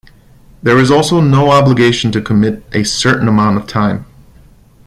There is also no obligation to commit a certain amount of time.